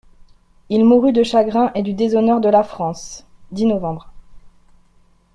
Il mourut de chagrin et du déshonneur de la France (dix nov.